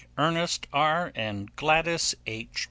_Ernest R. and Gladys H.